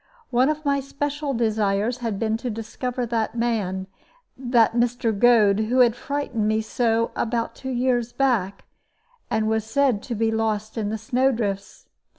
One of my special desires had been to discover that man, that Mr. Goad, who had frightened me so about two years back, and was said to be lost in the snow drifts.